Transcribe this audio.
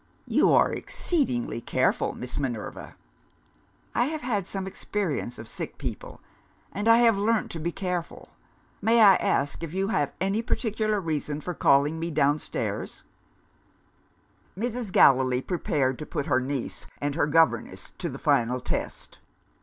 "You are exceedingly careful, Miss Minerva." "I have had some experience of sick people, and I have learnt to be careful. May I ask if you have any particular reason for calling me downstairs?" Mrs. Gallilee prepared to put her niece and her governess to the final test.